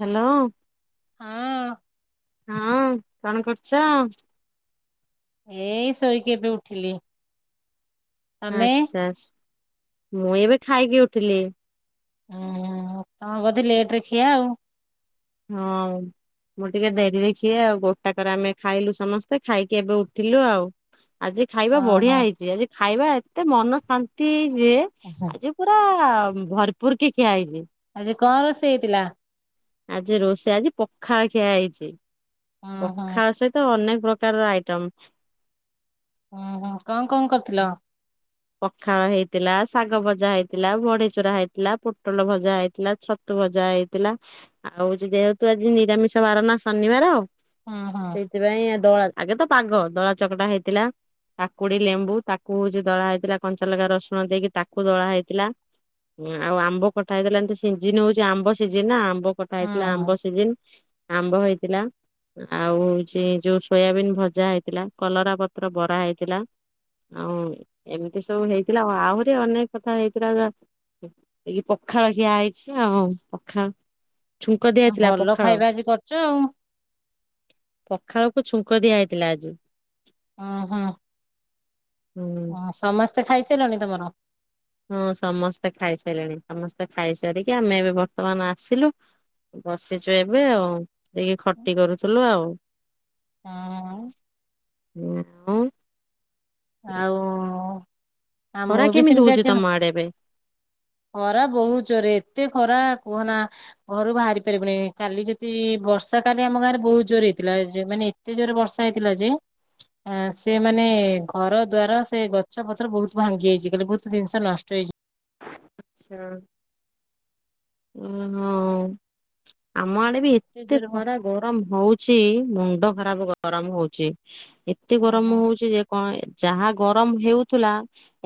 Hello ହଁ ହଁ କଣ କରୁଚ? ଏଇ ଶୋଇକି ଏବେ ଉଠିଲି। ତମେ ଆଚ୍ଛା ମୁଁ ଏବେ ଖାଇକି ଉଠିଲି। ଓଁ ତମ ବୋଧେ ଲେଟରେ ଖିଆ ଆଉ? ହଁ। ମୁଁ ଟିକେ ଡେରିରେ ଖିଏ ଆଉ ଗୋଟାକରେ ଆମେ ଖାଇଲୁ ସମସ୍ତେ, ଖାଇକି ଏବେ ଉଠିଲୁ ଆଉ। ଆଜି ଖାଇବା ବଢିଆ ଓହୋ ହେଇଛି ଆଜି ଖାଇବା ଏତେ ମନ ଶାନ୍ତି ହେଇଛି ଯେ ଉହୁଁ। ଆଜି ପୁରା ଭରପୁର୍ କି ଖିଆ ହେଇଚି। ଆଜି କଣ ରୋଷେଇ ହେଇଥିଲା? ଆଜି ରୋଷେଇ ଆଜି ପଖାଳ ଖିଆ ହେଇଚି। ହୁଁ ହୁଁ ପଖାଳ ସହିତ ଅନେକ ପ୍ରକାରର ଆଇଟମ୍। ଓୁଁ-ହୁଁ କଣ-କଣ କରିଥିଲ? ପଖାଳ ହେଇଥିଲା, ଶାଗ ଭଜା ହେଇଥିଲା, ବଢିଚୁରା ହେଇଥିଲା, ପୋଟଳ ଭଜା ହେଇ ଥିଲା ଛତୁ ଭଜା ହେଇଥିଲା, ଆଉ ହଉଚି ଯେହେତୁ ଆଜି ନିରାମିଷ ବାର ନା ଶନିବାର ହଁ-ହଁ। ସେଇଥିପାଇଁ ଦଳା ଆଗେ ତ ପାଗ ଦଳା ଚକଟା ହେଇଥିଲା କାକୁଡି ଲେମ୍ବୁ ତାକୁ ହଉଛି ଦଳା ହେ ଥିଲା କଞ୍ଚାଲଙ୍କା ରସୁଣ ଦେଇକି ତାକୁ ଦଳା ହେଇଥିଲା। ହଁ ଆଉ ଆମ୍ବ ଖଟା ହେଇଥିଲା ଏମତି ସିଜିିନ୍ ହଉଛି ଆମ୍ବ ସିଜିନ୍ ନା। ଆମ୍ବ ଖଟା ହୁଁ ହେଇଥିଲା, ହୁଁ ଆମ୍ବ ସିଜନ୍ ଆମ୍ବ ହେଇଥିଲା। ଆଉ ହଉଛି ଯୋଉ ସୋୟାବିନ୍ ଭଜା ହେଇଥିଲା, କଲରା ପତ୍ର ବରା ହେଇଥିଲା। ଆଉ ଏମିତି ସବୁ ହେଇଥିଲା ଆହୁରି ଅନେକ କଥା ହେଇଥିଲା ଏଇ ପଖାଳ ଖିଆ ହେଇଛି ଆଉ ପଖାଳ। ଛୁଙ୍କ ଏ ଦିଆହେଇଥିଲା ଭଲ ପଖାଳ। ଖାଇବା ଆଜି କରିଛ ଆଉ। ପଖାଳକୁ ଛୁଙ୍କ ଦିଆ ହେଇଥିଲା ଆଜି। ହଁ, ହଁ। ହୁଁ ହଁ, ସମସ୍ତେ ଖାଇସାରିଲଣି ତମର? ହଁ, ସମସ୍ତେ ଖାଇସାରିଲେଣି। ସମସ୍ତେ ଖାଇସାରିକି, ଆମେ ଏବେ ବର୍ତ୍ତମାନ ଆସିଲୁ ବସିଛୁ ଏବେ ଆଉ, ଯାଇକି ଖଟି କରୁଥିଲୁ ଆଉ। ହଁ, ହଁ, ହଁ। [unintelligible] ଆଉ-ଉ-ଉ, ଖରା ଆମକୁ ବି କେମିତି ସେମିତି ଅଛି [unintelligible] ଖରା ବହୁତ ଜୋରେ, ଏତେ ଖରା କୁହନା। ଘରୁ ବାହାରି ପାରିବୁନି, କାଲି ଯଦି ବର୍ଷା କାଲି ଆମ ଗାଁରେ ବହୁତ୍ ଜୋର ହେଇଥିଲା ଜେମାନେ ଏତେ ଜୋରେ ବର୍ଷା ହେଇଥିଲା ଯେ ଆଁ, ସେ ମାନେ ଘର ଦ୍ଵାର, ସେ ଗଛ ପତ୍ର ବହୁତ୍ ଭାଙ୍ଗି ଯାଇଛି, କଳେ ବହୁତ୍ ଜିନିଷ ନଷ୍ଟ ହେଇଛି। ଆଚ୍ଛା, ଉଁ-ଉ-ଉ। ଆମ ଆଡେ ବି ଏତେ ଜୋରେ ବ ଖରା ଗରମ ହଉଚି, ମୁଣ୍ଡ ଖରାପ୍ ଗରମ୍ ହଉଚି। ଏତେ ଗରମ୍ ଓହୋ ହଉଚି ଯେ କଣ ଯାହା ଗରମ୍ ହେଉଥିଲା,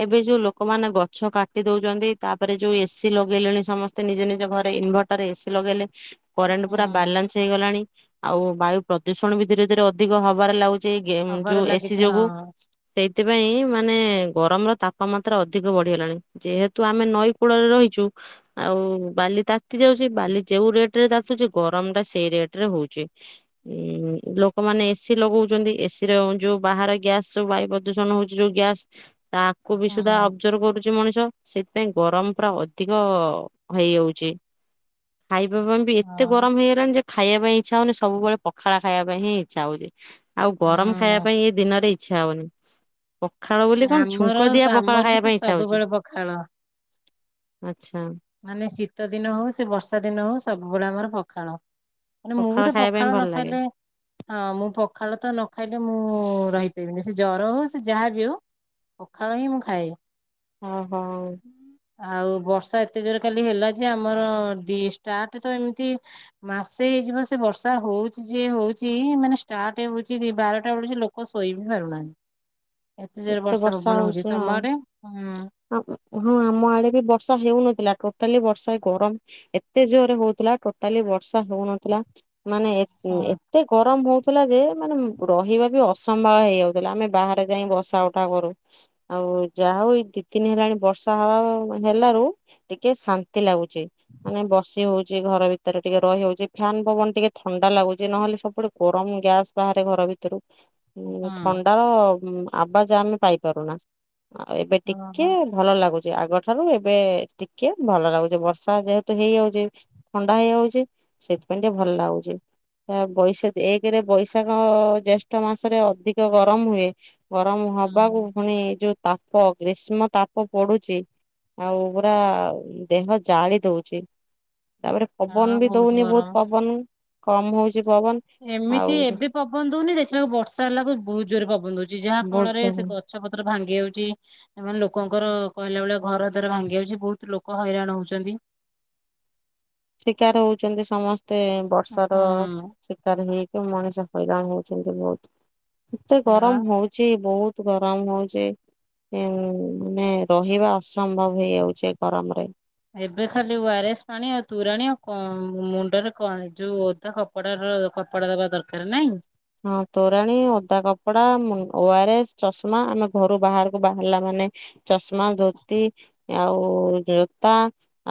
ଏବେ ଯୋଉ ଲୋକମାନେ ଗଛ କାଟି ଦଉଛନ୍ତି ତାପରେ ଯୋଉ ଏସି ଲଗେଇଲେଣି, ସମସ୍ତେ ନିଜ ନିଜ ଘରେ ଇନଭର୍ଟର ଏସି ଲଗେଇଲେ ହଁ କରେଣ୍ଟ୍ ପୁରା ହଁ ବାଲାନ୍ସ ହେଇଗଲାଣି, ଆଉ ବାୟୁ ପ୍ରଦୂଷଣ ବି ଧୀରେ ଧୀରେ ଅଧିକ ହବାରେ ଲାଗୁ ଚି ଗେମ୍ ଖବର ଯୋଉ ଏସି ଲାଗିଛି ଯୋଗୁ। ହଁ ସେଇଥିପାଇଁ ମାନେ ଗରମ୍ ର ତାପମାତ୍ରା ଅଧିକ ବଢିଗଲାଣି, ଯେହେତ୍ ତୁ ଆମେ ନଈ କୂଳରେ ରହିଛୁ। ଆଉ ବାଲି ତାତି ଯାଉଛି, ବାଲି ଯୋଉଁ ରେଟ୍ ରେ ତାତୁଚି ଗରମ୍ ଟା ସେଇ ରେଟ୍ ରେ ହଉଛି। ଉଁ, ଲୋକମାନେ ଏସିି ଲଗଉଛନ୍ତି, ଏସି ର ଯୋଉ ବାହାର ଗ୍ୟାସ୍ ବାୟୁ ପ୍ର ପ୍ରଦୂଷଣ ହଉଛି, ଯୋଉ ଗ୍ୟାସ ତାକୁ ବି ସୁଦ୍ଧା ହୁଁ ଅବଜର୍ଭ କରୁଛି ମଣିଷ। ସେଥିପାଇଁ ଗରମ ପ୍ରା ଅଧିକ-ଅ ହେଇଯାଉଛି। ଖାଇବା - ବ - ବ - ବି ଏତେ ହଁ ଗରମ ହେଏ - ଏ ଜାନୁଚୁ, ଖାଇବା ପାଇଁ ଇଚ୍ଛା ହଉନି, ସବୁବେଳେ ପଖାଳ ଖାଇବା ପାଇଁ ହିଁ ଇଚ୍ଛା ହଉଛି। ଆଉ ଗରମ୍ ଖାଇବା ହୁଁ ପାଇଁ ଏ ଦିନରେ ଇଚ୍ଛା ହଉନି। ପଖାଳ ବୋଲି କଣ ଛୁଙ୍କ ଆମର ଦିଆ ସ ପଖାଳ ଆମର ଖାଇବା ବି ତ ପାଇଁ ଇଚ୍ଛା ହଉଛି ସବୁବେଳେ ପଖାଳ। ଆଚ୍ଛା। ମାନେ ଶୀତ ଦିନ ହଉ, ସେ ବର୍ଷା ଦିନ ହଉ, ସବୁବେଳେ ଆମର ପଖାଳ। ମୁଁ ବି ତ ଖାଇବା ପାଇଁ ପଖାଳ ଭଲ ନ ଲାଗେ ଖାଇଲେ ହଁ, ମୁଁ ପଖାଳ ତ ନ ଖାଇଲେ, ମୁଁ ରହିପାରିବିନି। ସେ ଜର ହଉ, ସେ ଯାହାବି ହଉ। ପଖାଳ ହିଁ ମୁଁ ଖାଏ। ହଁ, ହଉ। ଆଉ ବର୍ଷା ଏତେ ଜୋରେ କାଲି ହେଲା ଯେ, ଆମର ଦି ଷ୍ଟାର୍ଟ ତ ଏମିତି ମାସେ ହେଇଯିବ, ସେ ବର୍ଷା ହଉଛି ଯେ ହଉଛି। ମାନେ, ଷ୍ଟାର୍ଟ ହଉଛି ଦି ବାରଟା ବେଳୁ ଯେ ଲୋକ୍ ଲୋକ ଶୋଇ ବି ପାରୁନାହାନ୍ତି। ଜୋରେ ଏତେ ବର୍ଷା ପବନ ହଉଛି, ତମ ହଁ। ଆଡେ? ହୁଁ ହଁ -ଉଁ - ହଁ, ଆମ ଆଡେ ବି ବର୍ଷା ହେଉନଥିଲା, ଟୋଟାଲି ବର୍ଷା ଗରମ୍ ଏତେ ଜୋର୍ରେ ହୋଉଥିଲା, ଟୋଟାଲି ବର୍ଷା ହଉନଥିଲା, ମାନେ ଏ ହୁଁ -ଏ ହୁଁ। ଏତେ ଗରମ୍ ହୋଉଥିଲା ଯେ, ମାନେ ରହିବା ବି ଅସମ୍ଭାଳ ହେଇଯାଉଥିଲା। ଆମେ ବାହାରେ ଯାଇ ବସ୍ ଟାଉ ଠାବରୁ ଆଉ ଯାହା ହଉ, ଏଇ ଦି ଦିନି ହେଲାଣି ବର୍ଷା ହବ୍ ବ୍ ହେଲାରୁ ଟିକେ ଶାନ୍ତି ଲାଗୁଛି। ମାନେ ବସି ହଉଛି ଘର ଭିତରେ ଟିକେ ରହି ହଉଛି ଫ୍ୟାନ୍ ପବନ ଟିକେ ଥଣ୍ଡା ଲାଗୁଛି ନହେଲେ ସବୁଡ୍ ଗରମ ଗ୍ୟାସ୍ ବାହାରେ ଘର ଭିତରୁ। ଥଣ୍ଡାର ଆବାଜ୍ ଆମେ ପାଇପାରୁନା ଆଉ ଏବେ ଟିକେ। ଓହୋ। ଭଲ ଲାଗୁଛି ଆଗଠାରୁ ଏବେ ଟିକେ ଭଲ ଲାଗୁଛି ବର୍ଷା ଯେହେତୁ ହେଇଯାଉଛି। ଥଣ୍ଡା ହେଇଯାଉଛି, ସେଥିପାଇଁ ଟିକେ ଭଲ ଲାଗୁଛି। ବୈଶା ଏକରେ ବୈଶାଖ ଅ ଜେଷ୍ଠ ମାସରେ ଅଧିକ ଗରମ ହୁଏ। ଗରମ ହବାକୁ ହୁଁ ପୁଣି, ଯୋଉ ତାପ ଗ୍ରୀଷ୍ମ ତାପ ପଡୁଛି। ଆଉ ପୁରା ଦେହ ଜାଳି ଦଉଛି। ତାପରେ ହଁ ପବନ ବି ଦଉନି ଗରମ। ବହୁତ ପବନ। କମ ହେଉଛି ପବନ। ଆଉ ଏମିତି ଏବେ ପବନ ଦଉନି। ଦେଖିଲାକୁ ବର୍ଷା ହେଲାକୁ ବହୁତ ଜୋରରେ ପବନ ଦଉଛି। ଯାହା ଫଳରେ ବହୁତ ସେ ଗଛ ପତ୍ର ଭାଙ୍ଗି ଯାଉଛି। ଏମାନେ ଲୋକଙ୍କର କହିଲା ଭେଳିଆ ଘର ଦ୍ୱାର ଭାଙ୍ଗି ଯାଉଛି। ବହୁତ ଲୋକ ହଇରାଣ ହଉଛନ୍ତି। ଶିକାର ହଉଛନ୍ତି ସମସ୍ତେ ବର୍ଷାର। ହୁଁ ଶିକାର ହେଇକି ମଣିଷ ହଇରାଣ ହଉଛନ୍ତି ବହୁତ। ଏତେ ସେଇବା ଗରମ ହଉ ଛି ବହୁତ ଗରମ ହଉଛି। ଏଁ ମେ ରହିବା ଅସମ୍ଭବ ହେଇଯାଉଛି ଗରମରେ। ଏବେ ଖାଲି ଓ ଆର ଏସ୍ ପାଣି। ଆଉ ତୋରାଣୀ, ଆଉ କ ମୁଣ୍ଡରେ କଣ ଯୋଉ ଓଦା କପ କପଡ଼ର କପଡା ଦବା ଦରକାର ନାଇଁ। ହଁ ତୋରାଣୀ ଓଦା କପଡା, ମୁନ ଓ ଆର ଏସ୍ ଚଷମା। ଆମେ ଘରୁ ବାହାରକୁ ବାହାରିଲା ମାନେ ଚଷମା ଧୋତି ଆଉ ଜୋତା,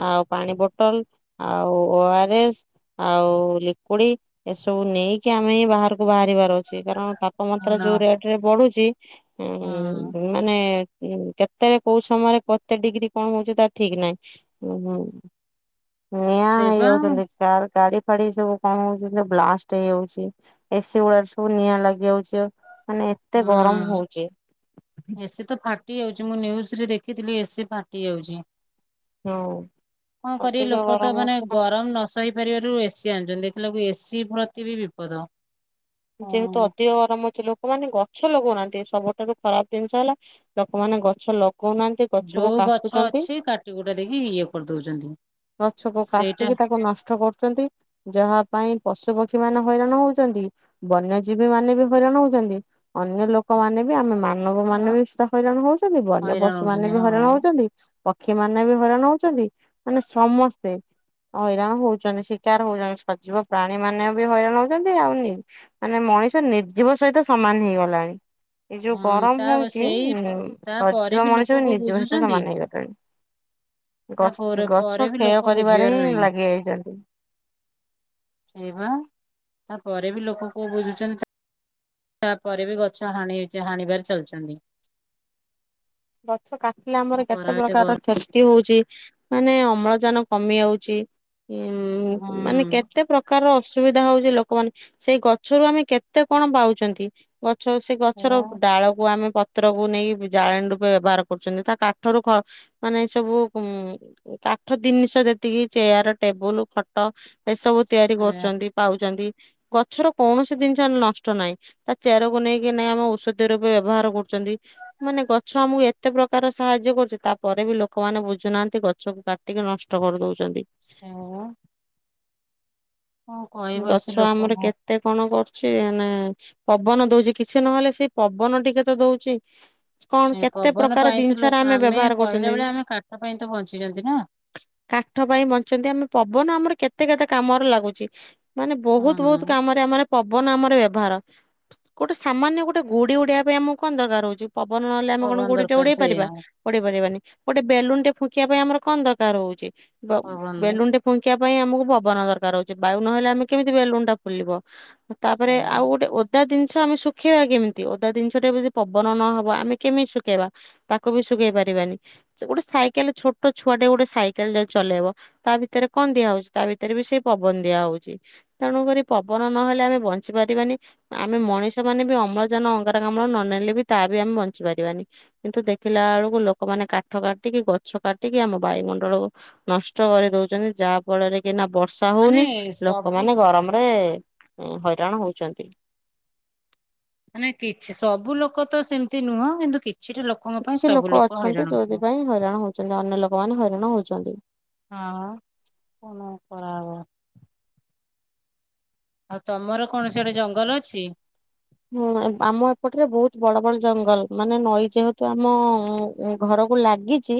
ଆଉ ପାଣି ବୋଟଲ, ଆଉ ଓ ଆରଏସ୍ ଆଉ ଲିକୁଡି। ଏସବୁ ନେଇକି ଆମେ ବାହାରକୁ ବାହାରିବାର ଅଛି। କାରଣ ତାପମାତ୍ରା ନ ଯୋଉ ରେଟ ରେ ବଢୁଛି। ହଁ। ଉଁ ମାନେ କେତେବେଳେ କୋଉ ସମୟରେ କେତେ ଡିଗ୍ରୀ କଣ ହଉଛି ତା ଠିକ ନାହିଁ। ହୁଁ ହୁଁ ନିଆଁ ସେଇବା ହେଇଯାଉଛନ୍ତି। ଗାଡି ଫାଡି ସବୁ କଣ ହଉଛନ୍ତି ବ୍ଲାଷ୍ଟ ହେଇଯାଉଛି। ଏ ସି ଗୁଡାରେ ସବୁ ନିଆଁ ଲାଗି ଯାଉଛି। ମାନେ ଏତେ ଗରମ ହୁଁ ହଉଛି। ଏସି ତ ଫାଟି ଯାଉଛି। ମୁଁ ନ୍ୟୁଜରେ ଦେଖିଥିଲି ଏସି ଫାଟି ଯାଉଛି। ହଉ। କଣ କରିବେ ଲୋକ ତ ମାନେ ଗରମ ନ ସ ସହି ପାରିବାରୁ ଏସି ଆଣୁଛନ୍ତି। ଦେଖିଲା କୁ ଏସିି ପ୍ରତି ବି ବିପଦ। ଯେହେତୁ ହଁ ଅଧିକ ଗରମ ହେଉଛି ଲୋକମାନେ ଗ ଛ ଲଗଉନାହାନ୍ତି। ସବୁଠାରୁ ଖରାପ ଜିନିଷ ହେଲା ଲୋକମାନେ ଗଛ ଲଗଉନାହାନ୍ତି। ଗଛକୁ ଯୋଉ ଗଛ କାଟୁଛନ୍ତି। ଅଛି କାଟି କୁଟା ଦେଇକି। ଇଏ କରିଦଉଛନ୍ତି। ଗଛକୁ ସେଇଟା କାଟିକି ତାକୁ ନଷ୍ଟ କରୁଛନ୍ତି। ଯାହା ପାଇଁ ପଶୁ ପକ୍ଷୀ ମାନେ ହଇରାଣ ହଉଛନ୍ତି। ବନ୍ୟଜୀବୀ ମାନେ ବି ହଇରାଣ ହଉଛନ୍ତି। ଅନ୍ୟ ଲୋକମାନେ ବି ଆମେ ମା ନବ ମାନେ ବି ସୁଧା ହଇରାଣ ହଉଛନ୍ତି। ବନ୍ୟ ହଇରାଣ ପଶୁ ମାନେ ହଉଛନ୍ତି ବି ହଇରାଣ ହଁ। ହଉଛନ୍ତି। ପକ୍ଷୀ ମାନେ ବି ହଇରାଣ ହଉଛନ୍ତି। ମାନେ ସମସ୍ତେ। ହଇରାଣ ହଉଛନ୍ତି, ଶିକାର ହଉଛନ୍ତି। ସଜୀବ ପ୍ରାଣୀ ମାନେ ବି ହଇରାଣ ହଉଛନ୍ତି। ଆଉ ନିର୍ଜି ମାନେ ମଣିଷ ନିର୍ଜୀବ ସହିତ ସମାନ ହେଇଗଲାଣି। ଏଇ ଯୋଉ ହୁଁ ଗରମ ତା ହଉଛି। ସେଇ ଉ ହୁଁ ତାପରେ ସଜୀବ ବି ଲୋକ ମଣିଷ କୋଉ ନିର୍ଜବ ସହିତ ବୁଝୁଛନ୍ତି ସମାନ ହେଇଗଲାଣି। ତାପରେ ଗଛ ପରେ ପରେ ଗଛ ବି ଲୋକ କ୍ଷୟ କରିବାରେ ବୁଝିବାର ହିଁ ନାହିଁ ଲାଗି ଯାଇଛନ୍ତି। ସେଇ ବା [inaudible] ତାପରେ ବି ଲୋକ କୋଉ ବୁଝୁଛନ୍ତି। ତା ତାପରେ ବି ଗଛ ହାଣିଚା ହାଣିବାରେ ଚାଲିଛନ୍ତି। [inaudible] ଗଛ କାଟିଲେ ଆମର କେତେ ଖରା ଏତେ ପ୍ରକାର ର ଗରମ କ୍ଷତି ହଉଛି। ମାନେ ଅମ୍ଳଜାନ କମି ଯାଉଛି। ଉଁ ଉଁ ଉଁ ମାନେ ହୁଁ କେତେ ପ୍ରକାର ପ୍ରକାର ଅସୁବିଧା ହଉଛି ଲୋକମାନେ। ସେଇ ଗଛରୁ ଆମେ କେତେ କଣ ପାଉଛନ୍ତି। ଗଛ ସେ ଗଛର ସେୟା ଡାଳକୁ ଆମେ ପତ୍ରକୁ ନେଇ ଜାଳେଣି ରୁପ ବ୍ୟବହାର କରୁଛନ୍ତି। ତା କାଠରୁ ଫ [inaudible] ମାନେ ଏସବୁ ଉଁ ଉଁ କାଠ ଜିନିଷ ଯେତିକି ଚେୟାର, ଟେବୁଲ, ଖଟ ଏସବୁ ତିଆରି ସେୟା କରୁଛନ୍ତି। ପାଉଛନ୍ତି, ଗଛର କୌଣସି ଜିନିଷ ନଷ୍ଟ ନାହିଁ। ତା ଚେରକୁ ନେଇକି ନେଇ ଆମେ ଔଷଧ ରୂପେ ବ୍ୟବହାର କରୁଛନ୍ତି। [inaudible] ମାନେ ଗଛ ଗଛ ଆମକୁ ଏତେ ପ୍ରକାର ସାହାଯ୍ୟ କରୁଛି। ତାପରେ ବି ଲୋକମାନେ ବୁଝୁନାହାନ୍ତି ଗଛକୁ କାଟିକି ନଷ୍ଟ କରିଦଉଛନ୍ତି। [inaudible] କଣ କହିବ ସେ ଗଛ ଆମର ଲୋକଙ୍କୁ କେତେ କଣ କରୁଚି ଏନେ ପବନ ଦଉଚି କିଛି ନହେଲେ ସେଇ ପବନ ଟିକେ ତ ଦଉଚି। ସେଇ ପବନ ପାଇଁ ତ ଲୋକ ଆମେ ବ୍ୟବହାର କରୁଛନ୍ତି। କହିଲା ବେଳେ ଆମେ କାଠ ପାଇଁ ତ ବଞ୍ଚିଚନ୍ତି ନାଁ। କାଠ ପାଇଁ ବଞ୍ଚଚନ୍ତି ଆମେ ପବନ ଆମର କେତେ କେତେ କାମରେ ଲାଗୁଚି। ମାନେ ବହୁତ ବହୁତ ହଁ କାମରେ ଆମର ପବନ ଆମର ବ୍ୟବହାର ଗୋଟେ ସାମାନ୍ୟ ଗୋଟେ ଗୁଡି ଉଡେଇଆ ପାଇଁ ଆମକୁ କଣ ଦରକାର ହଉଚି? ପବନ ନହଲେ ଆମେ କଣ ପବନ ଗୁଡିଟେ ଦରକାର ଉଡେଇ ପାରିବା? ସେଇଆ ଉଡେଇ ପାରିବାନି ଗୋଟେ ବେଲୁନ୍ ଟେ ଫୁଙ୍କିବା ପାଇଁ ଆମର କଣ ଦରକାର ହଉଚି ଵ ପବନ ବେଲୁନ୍ ଟେ ଫୁଙ୍କିଆ ପାଇଁ ଆମୁକୁ ପବନ ଦରକାର ହଉଚି ବାୟୁ ନହେଲେ ଆମେ କେମିତି ବେଲୁନ୍ ଟା ଫୁଲିବ। ତାପରେ ସେୟା। ଆଉ ଗୋଟେ ଓଦ୍ ଓଦା ଦିନ୍ଷ ଆମେ ଶୁଖେଇବା କେମିତି? ଓଦା ଦିନ୍ଷଟେ [unintelligible] ପବନ ନହବ ଆମେ କେମିତି ଶୁଖେଇବା। ତାକୁ ବି ଶୁଖେଇ ପାରିବାନି। ସେ ଗୋଟେ ସାଇକେଲେ ଛୋଟ ଛୁଆଟେ ଗୋଟେ ସାଇକେଲେ ଚଲେଇବ ତା ଭିତେରେ କଣ ଦିଆ ହଉଚି ତା ଭିତେରେ ବି ସେଇ ପବନ ଦିଆ ହଉ ତେଣୁକରି ପବନ ନହେଲେ ଆମେ ବଞ୍ଚି ପାରିବାନି। ଆମେ ମଣିଷ ମାନେ ବି ଅମ୍ଳଜାନ ଅଙ୍ଗାରକାମ୍ଳ ନ ନେଲେ ବି ତା ବି ଆମେ ବଞ୍ଚି ପାରିବାନି। କିନ୍ତୁ ଦେଖିଲାଳୁକୁ ଲୋକମାନେ କାଠ କାଟିକି ଗଛ କାଟିକି ଆମ ବାୟୁମଣ୍ଡଳକୁ ନଷ୍ଟ କରି ଦଉଚନ୍ତି ଯାହା ଫଳରେ କି ନାଁ ବର୍ଷ [inaudible] ମାନେ ହଉନି ସବୁ ଲୋକମାନେ ଗରମରେ ଏଁ ହଇରାଣ ହଉଚନ୍ତି। ମାନେ କିଛି ସବୁ ଲୋକ ତ ସେମ୍ତି ନୁହଁ କିନ୍ତୁ କିଛିଟା ଲୋକ୍ କିଛି ଲୋକ ଅଛନ୍ତି ଯୋଉଥିପାଇଁ ହଇରାଣ ହଉଚନ୍ତି ଅନ୍ୟ ଲୋକମାନେ ହଇରାଣ ହଉଚନ୍ତି। ହଁ କଣ କରାହବ। ଆଉ ତମର କଣ ସିଆଡେ ଜଙ୍ଗଲ ଅଛି? ହୁଁ [unintelligible] ଆମ ଏପଟେରେ ବହୁତ୍ ବଡ ବଡ ଜଙ୍ଗଲ୍ ମାନେ ନଈ ଯେହେତୁ ଆମ ଉଁ ଘରକୁ ଲାଗିଛି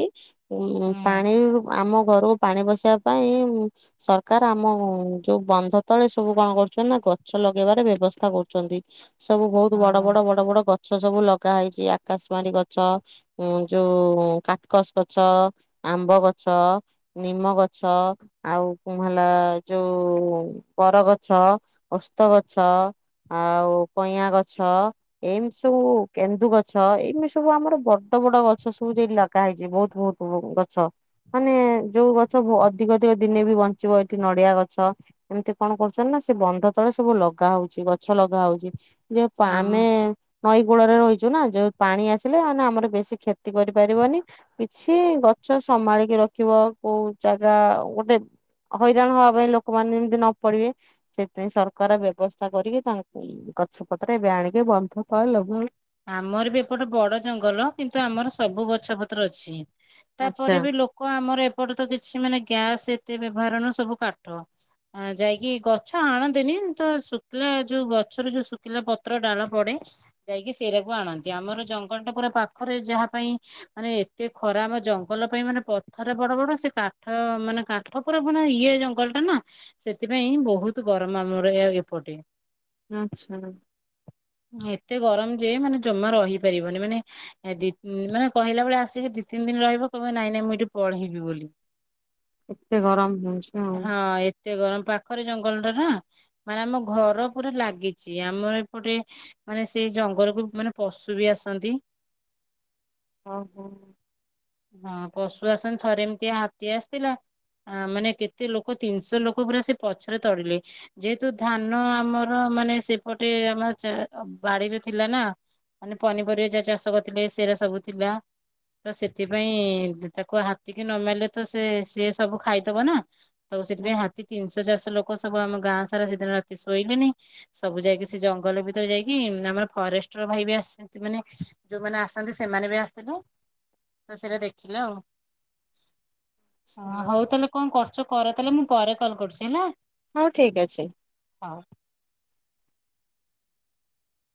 ଉଁ ହୁଁ, ପାଣିରୁ ଆମ ଘରୁକୁ ପାଣି ପଶିଆ ପାଇଁ ସର୍କାର୍ ଆମ ଯୋଉ ବନ୍ଧ ତଳେ ସବୁ କଣ କରୁଛନ୍ତି ନାଁ ଗଛ ଲଗେଇବାର ବ୍ୟବସ୍ଥା କରୁଚନ୍ତି। ସବୁ ବହୁତ୍ ହଁ ବଡ ହଁ। ବଡ ବଡ ବଡ ଗଛ ସବୁ ଲଗା ହେଇଚି ଆକାଶ ମାରୀ ଗଛ ଉଁ ଯୋଉ କାଟ୍ କସ୍ ଗଛ ଆମ୍ବ ଗଛ ନିମ ଗଛ ଆଉ କୁଁ ହେଲା ଯୋଉ ବରଗଛ ଓସ୍ତଗଛ ଆଉ କଇଁଆଗଛ ଏମ୍ତି ସବୁ କେନ୍ଦୁଗଛ ଏମିତି ସବୁ ଆମର ବଡ ବଡ ଗଛ ସବୁ [unintelligible] ଲଗା ହେଇଚି ବହୁତ୍ ବୋ [unintelligible] ଗଛ ମାନେ ଯୋଉ ଗଛ ଅଧିକ ଅଧିକ ଦିନେ ବି ବଞ୍ଚିବ ଏଠି ନଡିଆ ଗଛ ଏମତି କଣ କରୁଚନ୍ତି ନାଁ ସେ ବନ୍ଧ ତଳେ ସବୁ ଲଗା ହଉଚି ଗ ଛ ଲଗା ହଉଚି ଯେ ପା ଆମ ଆମେ ନଈ କୂଳରେ ରହିଚୁ ନାଁ ଯୋଉ ପାଣି ଆସିଲେ ମାନେ ଆମର ବେଶୀ କ୍ଷେତି କରିପାରିବନି କିଛି ଗଛ ସମାଳିକି ରଖିବ କୋଉ ଜାଗା ଗୋଟେ ହଇରାଣ ହବା ପାଇଁ ଲୋକମାନେ ଯେମତି ନ ପଡିବେ ସେଥିପାଇଁ ସରକାର ବ୍ୟବସ୍ଥା କରିକି ତାଙ୍କୁଇ ଗଛ ପତ୍ର ଏବେ ଆଣିକି ବନ୍ଧ ତଳେ ଲଗାଉ ଆମର ବି ଏପଟ ବଡ ଜଙ୍ଗଲ କିନ୍ତୁ ଆମର ସବୁ ଗଛ ପତ୍ର ଅଛି ଆଚ୍ଛା ତାପରେ ବି ଲୋ କ ଆମର ଏପଟେ ତ କିଛି ମାନେ ଗ୍ୟାସ ଏତେ ବ୍ୟବହାର ନୁହଁ ସବୁ କାଠ। ଅଁ ଯାଇକି ଗଛ ଆଣନ୍ତିନି ତ ଶୁଖିଲା ଯୋଉ ଗଛରୁ ଯୋଉ ଶୁଖିଲା ପତ୍ର ଡାଳ ପଡେ ଇଏ ସେରାକୁ ଆଣନ୍ତି ଆମର ଜଙ୍ଗଲଟା ପୁରା ପାଖରେ ଯାହା ପାଇଁ ମାନେ ଏତେ ଖରା ଆମ ଜଙ୍ଗଲ ପାଇଁ ମାନେ ପଥର ବଡ ବଡ ସେ କାଠ ମାନେ କା ଠ ପୁରା ଇଏ ଜଙ୍ଗଲଟା ନାଁ ସେଥିପାଇଁ ବହୁତ ଗରମ ଆମର ଏ ଏପଟେ। ଆଚ୍ଛା। ଏତେ ଗରମ ଯେ ମାନେ ଜମା ରହିପାରିବନି ମାନେ ଏ ଦି ଉଁ ମାନେ କହିଲାବେଳେ ଆସିକି ଦି ତିନ ଦିନ ରହିବ କହିବ ନାଇଁ ନାଇଁ ମୁଁ ଏଠୁ ପଳେଇବି ବୋଲି। ଏତେ ଗରମ ହଉଛି ଆଉ। ହଁ ଏତେ ଗରମ ପାଖରେ ଜଙ୍ଗଲଟା ନା। ମାନେ ଆମ ଘର ପୁରା ଲାଗିଛି ଆମର ଏପଟେ ମାନେ ସେଇ ଜଙ୍ଗଲ କୁ ମାନେ ପଶୁ ବି ଆସନ୍ତି। ଓହୋ। ହଁ ପଶୁ ଆସନ୍ତି ଥରେ ଏମତି ହାତୀ ଆସିଥିଲା ଆ ମାନେ କେତେ ଲୋକ ତିନଶ ଲୋକ ପୁରା ସେ ପଛରେ ତଡିଲେ। ଯେହେତୁ ଧାନ ଆମର ମାନେ ସେପଟେ ଆମର ବାଡିରେ ଥିଲା ନା ମାନେ ପନିପରିବା ଯାହା ଚାଷ କରିଥିଲେ ସେରା ସବୁ ଥିଲା। ତ ସେଥିପାଇଁ ତାକୁ ହାତୀ କିି ନ ମାଇଲେ ତ ସେ ସିଏ ସବୁ ଖାଇଦବ ନା। ତ ସେଥିପାଇଁ ହାତୀ ତିନଶ ଚାରଶ ଲୋକ ସବୁ ଆମ ଗାଁ ସାରା ସେଦିନ ରାତି ଶୋଇଲେନି। ସବୁ ଯାଇକି ସେ ଜଙ୍ଗଲ ଭିତରେ ଯାଇକି ଆମର ଫରେଷ୍ଟ ଷ୍ଟ୍ର ଭାଇ ବି ଆସିଛନ୍ତି ମାନେ ଯୋଉମାନେ ଆସନ୍ତି ସେମାନେ ବି ଆସିଥିଲେ। ତ ସେଇଟା ଦେଖିଲେ ଆଉ। ହଁ ଆଚ୍ଛା ହଉ ତାଲେ କଣ କରୁଛ କର ତାଲେ ମୁଁ ପରେ କଲ୍ କରୁଛି ହେଲା। ହଉ ଠିକ୍ ଅଛି। ହଉ।